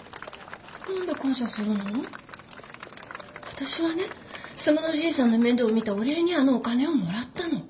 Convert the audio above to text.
私はね須磨のじいさんの面倒を見たお礼にあのお金をもらったの。